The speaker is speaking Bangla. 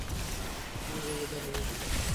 আর এভাবে দাঁড়াবে।